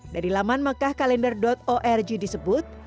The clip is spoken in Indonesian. dari laman mekahkalendar org disebut